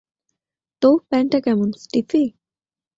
তো, প্যান্টটা কেমন, স্টিফি?